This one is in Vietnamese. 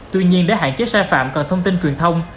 tuy nhiên để hạn chế sai phạm cần thông tin truyền thông